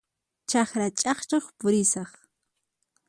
Chakra ch'aqchuq purisaq.